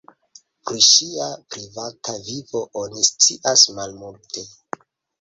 Pri ŝia privata vivo oni scias malmulte.